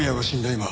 今